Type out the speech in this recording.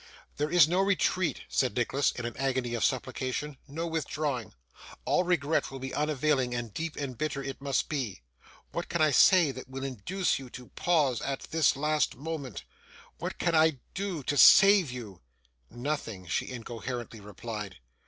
'There is no retreat,' said Nicholas, in an agony of supplication; 'no withdrawing! All regret will be unavailing, and deep and bitter it must be. What can I say, that will induce you to pause at this last moment? What can I do to save you?' 'Nothing,' she incoherently replied.